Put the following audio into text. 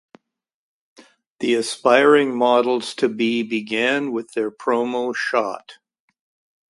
The aspiring models to be began with their promo shoot.